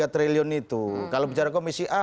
delapan puluh tiga triliun itu kalau bicara komisi a